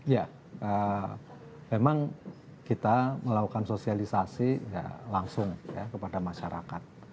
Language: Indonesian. ya memang kita melakukan sosialisasi langsung ya kepada masyarakat